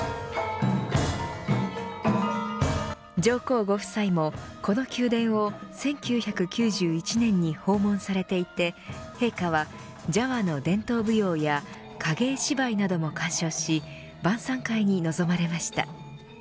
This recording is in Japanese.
上皇ご夫妻もこの宮殿を１９９１年に訪問されていて陛下はジャワの伝統舞踊や影絵芝居なども鑑賞し晩さん会に臨まれました。